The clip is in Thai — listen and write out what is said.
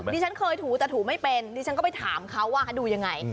ดิฉันเคยถูแต่ถูไม่เป็นดิฉันก็ไปถามเขาว่าเขาดูยังไง